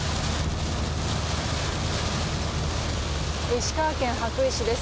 石川県羽咋市です。